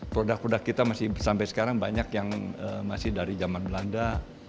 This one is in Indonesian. produk produk kita masih sampai sekarang banyak yang masih dari zaman belanda